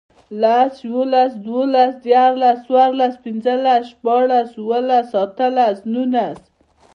لس, یوولس, دوولس, دیرلس، څورلس, پنځلس, شپاړس, اووهلس, اتهلس, نونس